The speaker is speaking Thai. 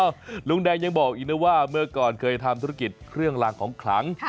ลุงแดงยังบอกอีกนะว่าเมื่อก่อนเคยทำธุรกิจเครื่องลางของขลัง